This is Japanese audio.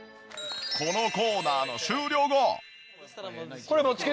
このコーナーの終了後。